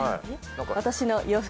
私の洋服。